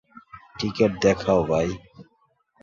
Ticket দেখাও ভাই।